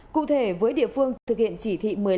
cụ thể với địa phương thực hiện chỉ thị một mươi năm